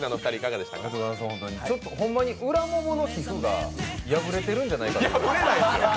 ほんまに裏ももの皮膚が破れてるんじゃないかなって。